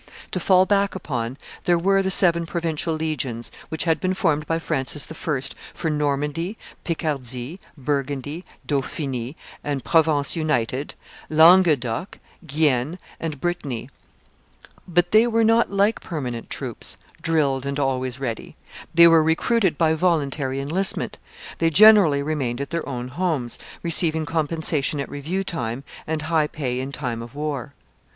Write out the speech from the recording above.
To fall back upon, there were the seven provincial legions, which had been formed by Francis I. for Normandy, Picardy, Burgundy, Dauphiny, and Provence united, Languedoc, Guienne, and Brittany; but they were not like permanent troops, drilled and always ready; they were recruited by voluntary enlistment; they generally remained at their own homes, receiving compensation at review time and high pay in time of war.